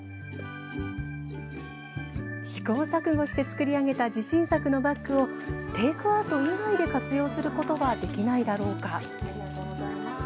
試行錯誤して作り上げた自信作のバッグをテイクアウト以外で活用することはできないだろうか。